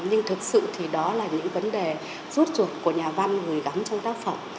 nhưng thực sự thì đó là những vấn đề rút ruột của nhà văn gửi gắm trong tác phẩm